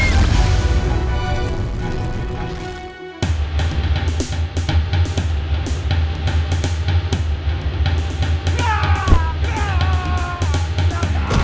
ternyata benar dugaanku